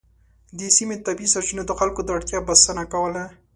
د سیمې طبیعي سرچینو د خلکو د اړتیا بسنه کوله.